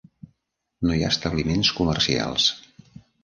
No hi ha establiments comercials.